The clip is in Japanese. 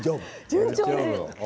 順調です。